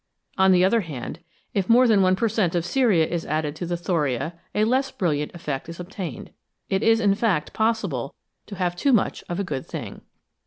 On the other hand, if more than 1 per cent, of ceria is added to the thoria a less brilliant effect is obtained ; it is, in fact, possible to have too much of a good thing.